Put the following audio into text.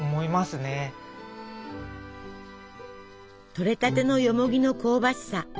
とれたてのよもぎの香ばしさ。